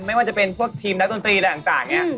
ไม่ว่าจะเป็นพวกทีมนักดนตรีอะไรต่างเนี่ย